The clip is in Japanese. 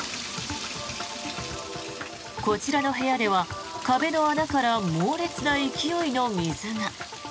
こちらの部屋では壁の穴から猛烈な勢いの水が。